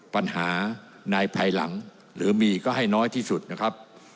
ปัญหาในภายหลังหรือมีก็ให้น้อยที่สุดนะครับ